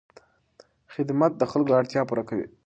خدمت د خلکو اړتیاوې پوره کوي.